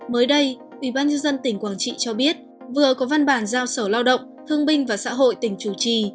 mới đây ubnd tỉnh quảng trị cho biết vừa có văn bản giao sở lao động thương binh và xã hội tỉnh chủ trì